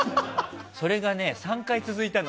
それが３回続いたの。